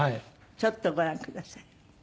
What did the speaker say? ちょっとご覧ください。